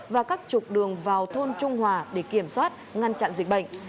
và các trục đường vào thôn trung hòa để kiểm soát ngăn chặn dịch bệnh